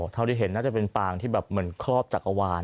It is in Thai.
เท่าที่เห็นน่าจะเป็นปางที่แบบเหมือนครอบจักรวาล